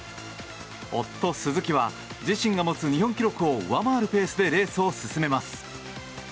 夫・鈴木は自身が持つ日本記録を上回るペースでレースを進めます。